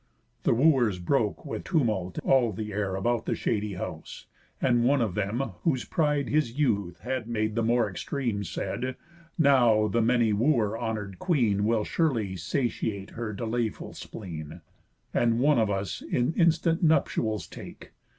The Wooers broke with tumult all the air About the shady house; and one of them, Whose pride his youth had made the more extreme, Said: "Now the many wooer honour'd queen Will surely satiate her delayful spleen, And one of us in instant nuptials take.